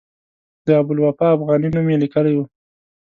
د ابوالوفاء افغاني نوم یې لیکلی و.